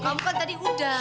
kamu kan tadi udah